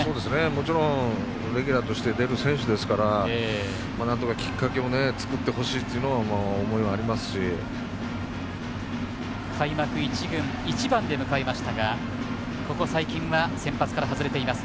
もちろんレギュラーとして出る選手ですから、なんとかきっかけを作ってほしいという開幕一軍１番で迎えましたがここ最近は先発から外れています。